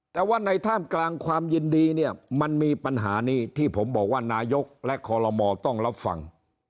แต่ว่าในท่ามกลางความยินดีเนี่ยมันมีปัญหานี้ที่ผมบอกว่านายกและคอลโลมอต้องรับฟัง